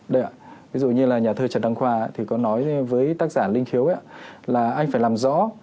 đấy ạ ví dụ như là nhà thơ trần đăng khoa thì có nói với tác giả linh khiếu là anh phải làm rõ